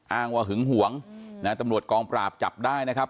อ้างว่าหึงหวงนะตำรวจกองปราบจับได้นะครับ